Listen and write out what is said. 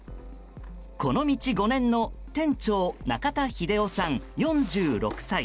この道５年の店長中田秀雄さん、４６歳。